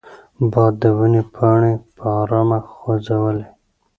باد د ونې پاڼې په ارامه خوځولې.